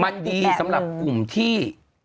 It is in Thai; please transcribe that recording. มันดีสำหรับกลุ่มที่